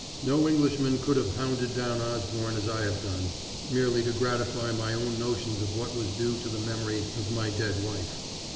No Englishman could have hounded down Osborne as I have done, merely to gratify my own notions of what was due to the memory of my dead wife.